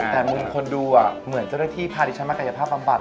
แต่มุมคนดูเหมือนจะได้ที่พาดิฉันมากัยภาพคำบัติ